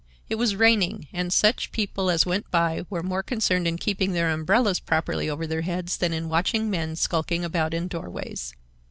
It was raining, and such people as went by were more concerned in keeping their umbrellas properly over their heads than in watching men skulking about in doorways.